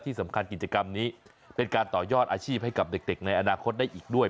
กิจกรรมกิจกรรมนี้เป็นการต่อยอดอาชีพให้กับเด็กในอนาคตได้อีกด้วย